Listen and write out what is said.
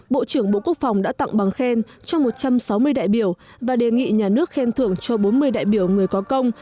bộ trưởng bộ quốc phòng đã tặng bằng khen cho một trăm sáu mươi đại biểu và đề nghị nhà nước khen thưởng cho bốn mươi đại biểu người có công